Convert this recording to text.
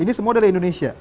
ini semua dari indonesia